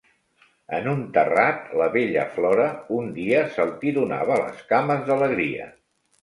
En un terrat, la bella Flora, un dia, saltironava les cames d'alegria.